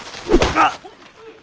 あっ！